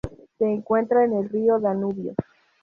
Se encuentra en el río Danubio.